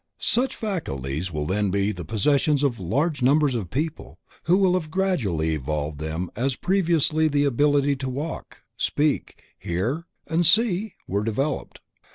Such faculties will then be the possessions of large numbers of people who will have gradually evolved them as previously the ability to walk, speak, hear, and see, were developed.